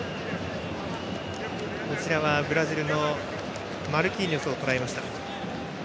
ブラジルのマルキーニョスをとらえました。